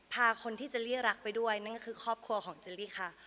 พาคนที่เจลลี่รักไปด้วยนั่นก็คือครอบครัวของเจลลี่ค่ะ